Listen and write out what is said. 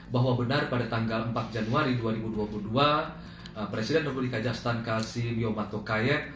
bahwa benar pada tanggal empat januari dua ribu dua puluh dua presiden republik kajastan kalsi lio matokayet